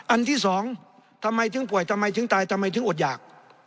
อันที่สองทำไมถึงป่วยทำไมถึงตายทำไมถึงอดหยาก